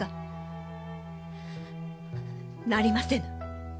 なりませぬ。